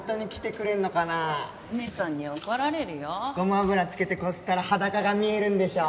ごま油付けてこすったら裸が見えるんでしょ？